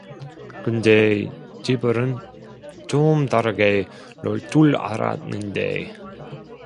근데 재벌은 좀 다르게 놀 줄 알았는데